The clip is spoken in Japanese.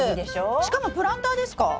しかもプランターですか？